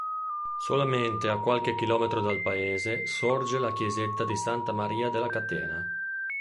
Solamente a qualche km dal paese sorge la chiesetta di S. Maria della Catena.